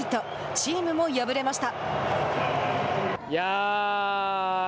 チームも敗れました。